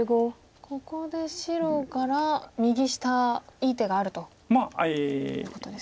ここで白から右下いい手があるということですか。